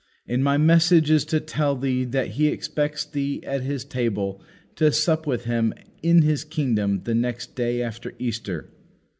And my message is to tell thee that He expects thee at His table to sup with Him in His kingdom the next day after Easter."